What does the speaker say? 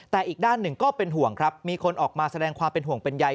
แต่อีกด้านหนึ่งก็เป็นห่วงครับมีคนออกมาแสดงความเป็นห่วงเป็นใย